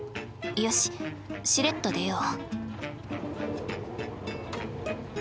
よししれっと出よう。